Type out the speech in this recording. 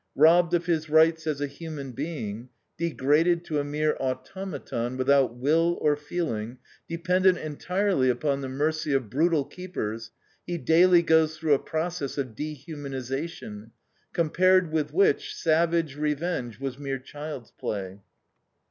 Robbed of his rights as a human being, degraded to a mere automaton without will or feeling, dependent entirely upon the mercy of brutal keepers, he daily goes through a process of dehumanization, compared with which savage revenge was mere child's play.